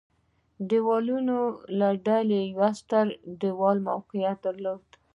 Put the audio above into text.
دېوالونو له ډلې یو ستر دېوال موقعیت درلود.